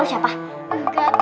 kalian tau siapa